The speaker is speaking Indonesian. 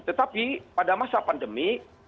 tetapi pada masa pandemi